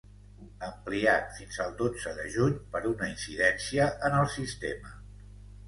Ampliat fins al dotze de juny per una incidència en el sistema.